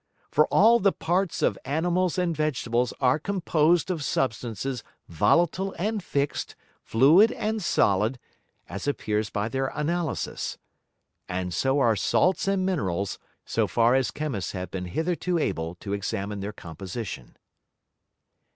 For all the Parts of Animals and Vegetables are composed of Substances volatile and fix'd, fluid and solid, as appears by their Analysis; and so are Salts and Minerals, so far as Chymists have been hitherto able to examine their Composition.